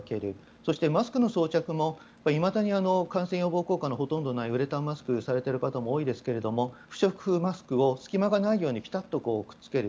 そしてマスクの装着もいまだに感染予防効果のほとんどないウレタンマスクをされている方も多いですが不織布マスクを隙間がないようにピタッとくっつける。